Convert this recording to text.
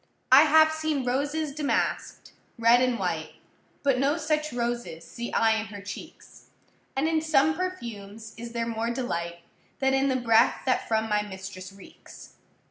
I have seen roses damask’d, red and white, But no such roses see I in her cheeks; And in some perfumes is there more delight Than in the breath that from my mistress reeks.